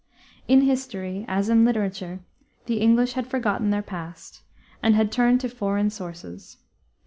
In history as in literature the English had forgotten their past, and had turned to foreign sources.